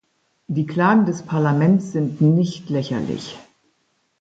Die Klagen des Parlaments sind nicht lächerlich.